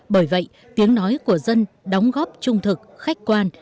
bởi vậy tiếng nói của dân đóng góp trung thực khách quan